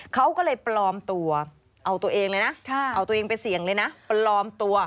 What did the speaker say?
เขาก็เลยปลอมตัวเอาตัวเองเลยนะเอาตัวเองไปเสี่ยงเลยนะปลอมตัว